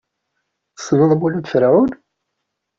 Tessneḍ Mulud Ferɛun?